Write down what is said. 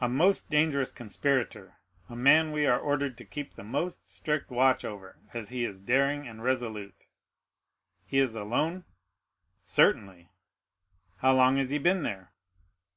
"A most dangerous conspirator, a man we are ordered to keep the most strict watch over, as he is daring and resolute." "He is alone?" "Certainly." "How long has he been there?"